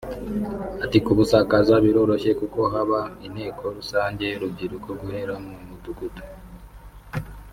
Ati “Kubusakaza biroroshye kuko haba inteko rusange y’urubyiruko guhera mu mudugudu